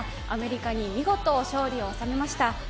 アメリカに見事勝利を収めました。